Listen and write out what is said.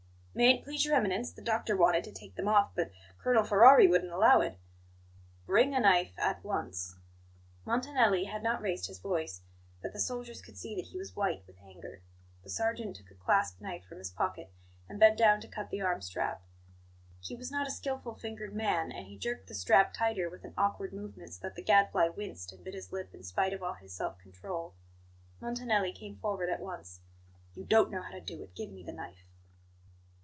"May it please Your Eminence, the doctor wanted to take them off, but Colonel Ferrari wouldn't allow it." "Bring a knife at once." Montanelli had not raised his voice, but the soldiers could see that he was white with anger. The sergeant took a clasp knife from his pocket, and bent down to cut the arm strap. He was not a skilful fingered man; and he jerked the strap tighter with an awkward movement, so that the Gadfly winced and bit his lip in spite of all his self control. Montanelli came forward at once. "You don't know how to do it; give me the knife."